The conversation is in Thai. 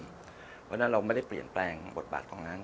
เพราะฉะนั้นเราไม่ได้เปลี่ยนแปลงบทบาทตรงนั้น